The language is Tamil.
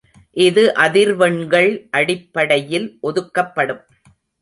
இது அதிர்வெண்கள் அடிப்படையில் ஒதுக்கப்படும்.